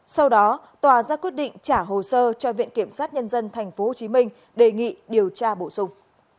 sau đó tòa ra quyết định trả hồ sơ cho viện kiểm sát nhân dân tp hcm đề nghị điều tra bổ sung